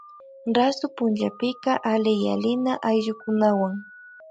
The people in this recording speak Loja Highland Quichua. Rasu punllapika alliyalina ayllukunawan.